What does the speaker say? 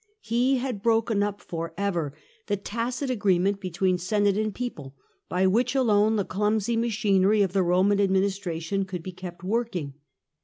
He had broken up for ever the tacit agreement between Senate and People, by which alone the clumsy machinery of the Roman administration could be kept working.